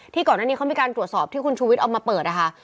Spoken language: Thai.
ก่อนอันนี้เขามีการตรวจสอบที่คุณชูวิทย์เอามาเปิดนะคะ